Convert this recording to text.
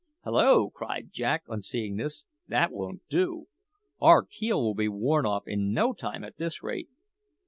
"Hallo!" cried Jack on seeing this, "that won't do. Our keel will be worn off in no time at this rate."